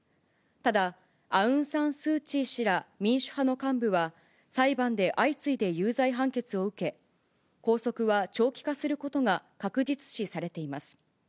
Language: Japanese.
ただ、アウン・サン・スー・チー氏ら民主派の幹部は、裁判で相次いで有罪判決を受け、拘束は長期化することが確実視されています。